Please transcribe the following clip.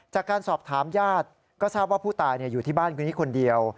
จากการสอบถามญาติก็ทราบว่าผู้ตายอยู่ที่บ้านคนนี้คนเดียว